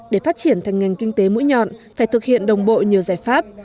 để phát triển thành ngành kinh tế mũi nhọn phải thực hiện đồng bộ nhiều giải pháp